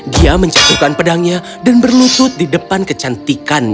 dia mencaturkan pedangnya dan berlutut di depan kecantikan